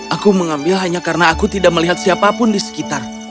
aku mengambil hanya karena aku tidak melihat siapapun di sekitar